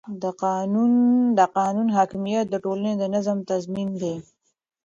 د قانون حاکمیت د ټولنې د نظم تضمین دی